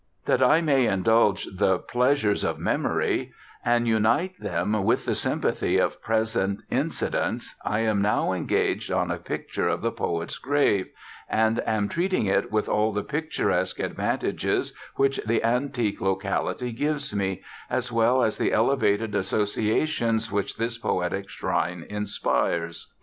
That I may indulge the pleasures of memory and unite them with the sympathy of present incidents, I am now engaged on a picture of the poet's grave, and am treating it with all the picturesque advantages which the antique locality gives me, as well as the elevated associations which this poetic shrine inspires.